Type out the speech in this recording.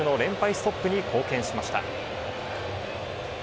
ストップに貢献しました。